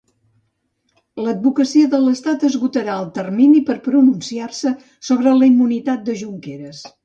L'advocacia de l'estat esgotarà el termini per pronunciar-se sobre la immunitat de Junqueras.